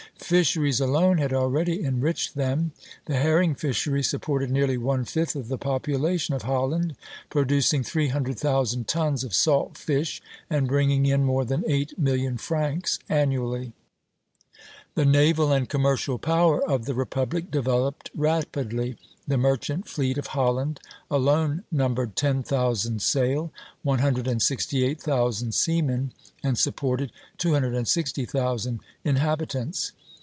Fisheries alone had already enriched them. The herring fishery supported nearly one fifth of the population of Holland, producing three hundred thousand tons of salt fish, and bringing in more than eight million francs annually. "The naval and commercial power of the republic developed rapidly. The merchant fleet of Holland alone numbered 10,000 sail, 168,000 seamen, and supported 260,000 inhabitants.